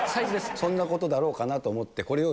そんなことだろうかなと思っえ？